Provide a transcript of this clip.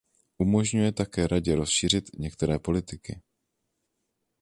Umožňuje také Radě rozšířit některé politiky.